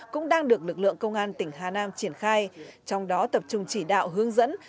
cũng đang được lực lượng công an tỉnh hà nam triển khai trong đó tập trung chỉ đạo hướng dẫn